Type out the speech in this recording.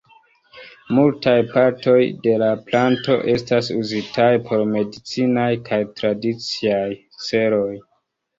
Multaj partoj de la planto estas uzitaj por medicinaj kaj tradiciaj celoj.